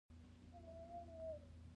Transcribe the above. د افغانستان هره سیمه سره تبۍ شوه.